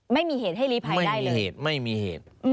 ไม่มีเหตุให้ลีภัยได้เลยเหตุไม่มีเหตุ